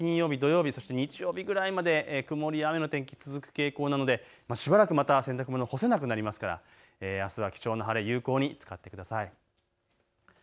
金曜日、土曜日、そして日曜日くらいまで曇りや雨の天気、続く傾向なのでしばらく洗濯物干せなくなりますからあすの晴れ、有効に使ってください。